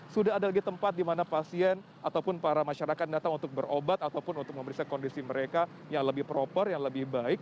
sudah ada lagi tempat di mana pasien ataupun para masyarakat datang untuk berobat ataupun untuk memeriksa kondisi mereka yang lebih proper yang lebih baik